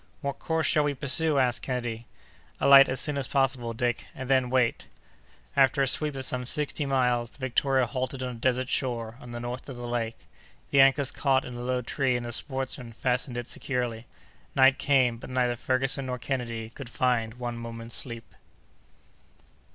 "What course shall we pursue?" asked Kennedy. "Alight as soon as possible, Dick, and then wait." After a sweep of some sixty miles the Victoria halted on a desert shore, on the north of the lake. The anchors caught in a low tree and the sportsman fastened it securely. Night came, but neither Ferguson nor Kennedy could find one moment's sleep.